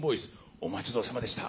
おまちどおさまでした。